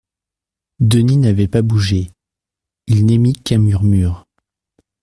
Denis n’avait pas bougé. Il n’émit qu’un murmure.